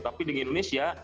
tapi di indonesia